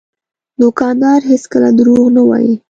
دوکاندار هېڅکله دروغ نه وایي.